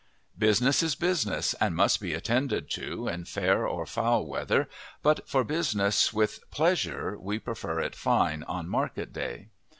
Business is business and must be attended to, in fair or foul weather, but for business with pleasure we prefer it fine on market day.